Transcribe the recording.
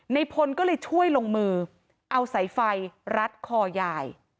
ในพลก็เลยช่วยลงมือเอาสายไฟรัดคอยาย